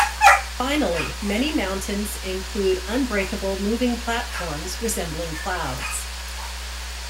Finally, many mountains include unbreakable moving platforms resembling clouds.